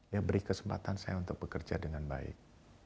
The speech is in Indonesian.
ya beri kesempatan saya untuk bekerja dengan baik